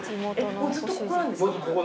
もうずっとここなんですか？